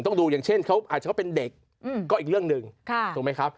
ต้องดูอย่างเช่นเขาอาจจะเขาเป็นเด็กก็อีกเรื่องหนึ่งถูกไหมครับ